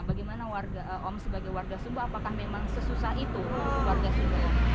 bagaimana warga om sebagai warga sumba apakah memang sesusah itu warga sumba